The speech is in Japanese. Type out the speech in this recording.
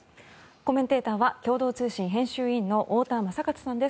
コメンテーターは共同通信編集委員太田昌克さんです。